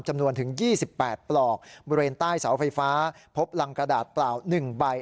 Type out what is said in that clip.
จำนวนถึง๒๘ปลอกบริเวณใต้เสาไฟฟ้าพบรังกระดาษเปล่า๑ใบ